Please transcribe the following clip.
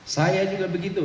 saya juga begitu